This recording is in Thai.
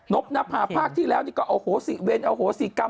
นบนับหาภาคที่แล้วนี่ก็โอ้โหสิเว้นโอ้โหสิกรรม